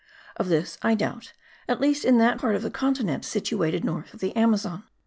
Of this I doubt, at least in that part of the continent situated north of the Amazon.